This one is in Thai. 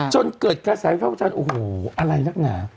จนเกิดกระแสฝ้าวจารย์โอ้โหอะไรเนื่องกัน